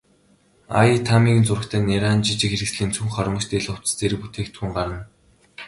Аами, Таамигийн зурагтай нярайн жижиг хэрэгслийн цүнх, хормогч, дээл, хувцас зэрэг бүтээгдэхүүн гарна.